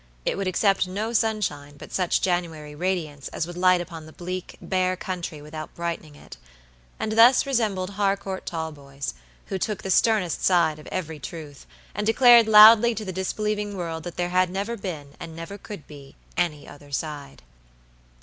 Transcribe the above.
It would accept no sunshine but such January radiance as would light up the bleak, bare country without brightening it; and thus resembled Harcourt Talboys, who took the sternest side of every truth, and declared loudly to the disbelieving world that there never had been, and never could be, any other side.